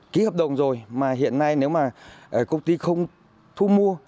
ký hợp đồng rồi mà hiện nay nếu mà công ty không thu mua